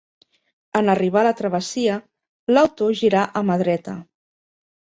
En arribar a la travessia, l'auto girà a mà dreta.